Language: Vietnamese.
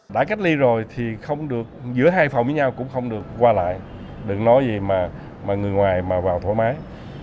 đã cách ly rồi thì không được giữa hai phòng với nhau cũng không được qua lại đừng nói gì mà người ngoài mà vào thỏa mái